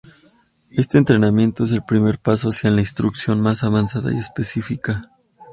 Este entrenamiento es el primer paso hacia la instrucción más avanzada y específica.